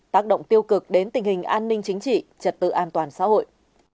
tác động tiêu cực đến tình hình an ninh chính trị trật tự an toàn xã hội